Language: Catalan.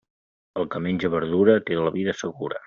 El que menja verdura té la vida segura.